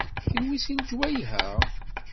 Kenwi seg lejwayeh-a?